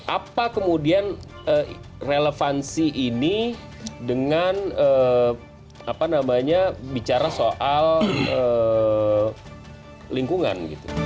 apa kemudian relevansi ini dengan bicara soal lingkungan